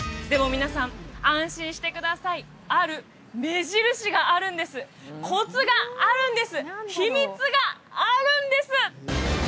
皆さん安心してくださいある目印があるんですコツがあるんです秘密があるんです！